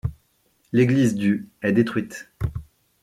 L'église du est détruite.